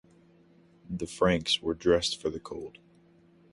The Franks were dressed for the cold.